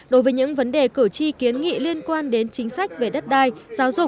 đối với những vấn đề cử tri kiến nghị liên quan đến chính sách về đất đai giáo dục